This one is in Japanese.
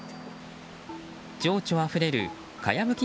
情緒あふれるかやぶき